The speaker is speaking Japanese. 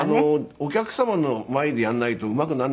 お客様の前でやらないとうまくならないんですよ。